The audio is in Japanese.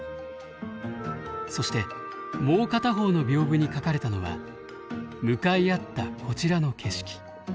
そしてもう片方の屏風に描かれたのは向かい合ったこちらの景色。